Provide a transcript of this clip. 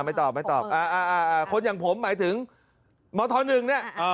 ไม่ตอบไม่ตอบคนอย่างผมหมายถึงมธ๑เนี่ย